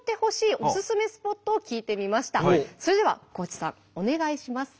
それでは地さんお願いします。